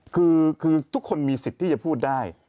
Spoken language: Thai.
คือทุกคนมีสิทธิ์ที่จะพูดได้